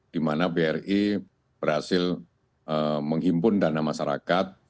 di mana bri berhasil menghimpun dana masyarakat